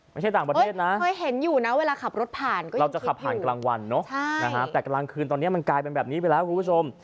ไม่ใช่ต่างประเทศนะเราจะขับผ่านกลางวันเนอะแต่กลางคืนตอนนี้มันกลายเป็นแบบนี้ไปแล้วครับคุณผู้ชม